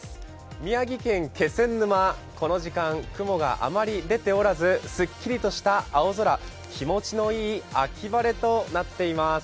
宮城県気仙沼、この時間雲があまり出ておらずすっきりとした青空、気持ちのいい秋晴れとなっています。